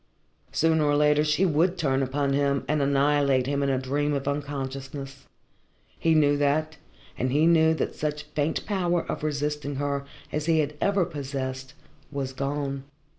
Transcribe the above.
Sooner or later she would turn upon him and annihilate him in a dream of unconsciousness; he knew that, and he knew that such faint power of resisting her as he had ever possessed was gone.